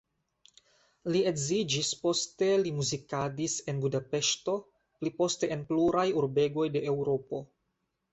Li edziĝis, poste li muzikadis en Budapeŝto, pli poste en pluraj urbegoj de Eŭropo.